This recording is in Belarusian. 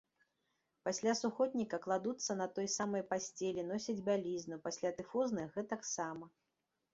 Пасля сухотніка кладуцца на той самай пасцелі, носяць бялізну, пасля тыфозных гэтаксама.